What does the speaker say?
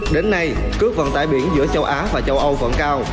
đến nay cước vận tải biển giữa châu á và châu âu vẫn cao